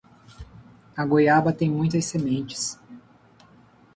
A goiaba tem muitas sementes.